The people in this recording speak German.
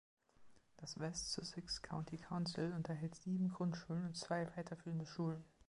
Das West Sussex County Council unterhält sieben Grundschulen und zwei weiterführende Schulen.